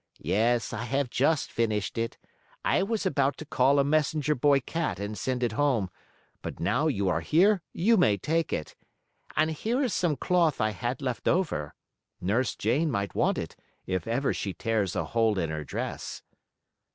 "Yes, I have just finished it. I was about to call a messenger boy cat and send it home, but now you are here you may take it. And here is some cloth I had left over. Nurse Jane might want it if ever she tears a hole in her dress."